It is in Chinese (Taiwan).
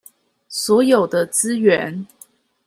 所有的資源